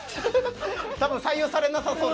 多分採用されなさそう。